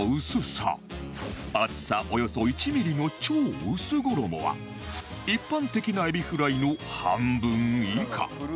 厚さおよそ１ミリの超薄衣は一般的なエビフライの半分以下